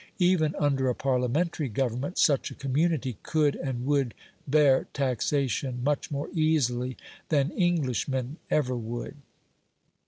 Even under a Parliamentary government such a community could and would bear taxation much more easily than Englishmen ever would.